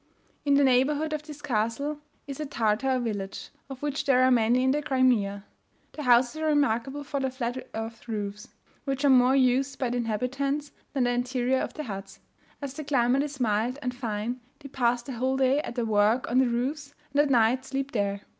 In the neighbourhood of the castle is a Tartar village, of which there are many in the Crimea. The houses are remarkable for their flat earth roofs, which are more used by the inhabitants than the interior of the huts; as the climate is mild and fine they pass the whole day at their work on the roofs, and at night sleep there.